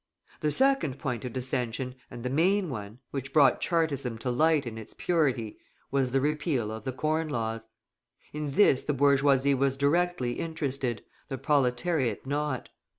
The second point of dissension and the main one, which brought Chartism to light in its purity, was the repeal of the Corn Laws. In this the bourgeoisie was directly interested, the proletariat not.